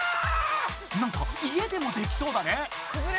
なんか家でもできそうだね。